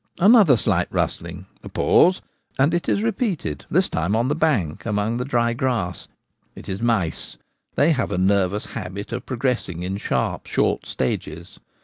Another slight rustling — a pause, and it is repeated ; this time on the bank, among the dry grass. It is mice ; they have a nervous habit of pro gressing in sharp, short stages.